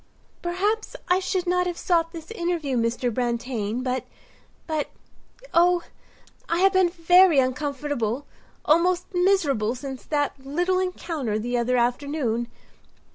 "Perhaps I should not have sought this interview, Mr. Brantain; but—but, oh, I have been very uncomfortable, almost miserable since that little encounter the other afternoon.